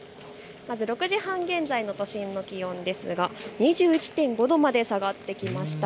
まず６時半現在の都心の気温ですが２１．５度まで下がってきました。